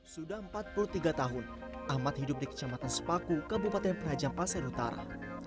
sudah empat puluh tiga tahun ahmad hidup di kecamatan sepaku kabupaten penajam pasir utara